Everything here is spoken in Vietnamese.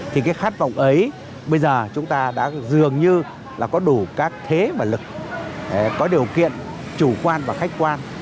thì cái khát vọng ấy bây giờ chúng ta đã dường như là có đủ các thế và lực có điều kiện chủ quan và khách quan